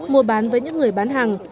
mua bán với những người bán hàng